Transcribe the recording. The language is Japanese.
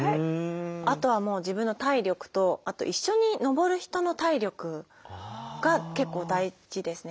あとはもう自分の体力とあと一緒に登る人の体力が結構大事ですね。